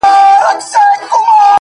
خپـله گرانـه مړه مي په وجود كي ده ـ